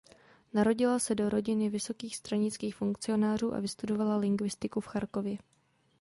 Narodila se do rodiny vysokých stranických funkcionářů a vystudovala lingvistiku v Charkově.